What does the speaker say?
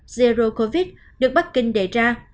zero covid được bắc kinh đề ra